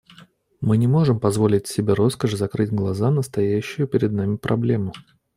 Мы не можем позволить себе роскошь закрыть глаза на стоящую перед нами проблему.